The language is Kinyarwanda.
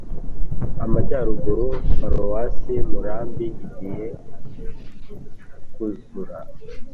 amajyaruguru : paroisse muramba igiyekuzura